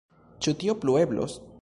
Ĉu tio plu eblos?